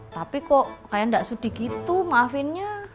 tapi kok kayak tidak sudi gitu maafinnya